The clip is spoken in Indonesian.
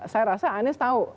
saya rasa anies tahu